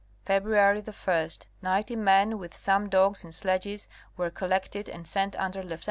February 1, ninety men with some dogs and sledges were col lected and sent under Lieut.